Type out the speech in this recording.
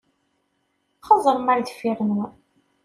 Xeẓẓṛem ar deffir-nwen.